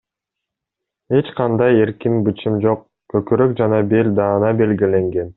Эч кандай эркин бычым жок, көкүрөк жана бел даана белгиленген.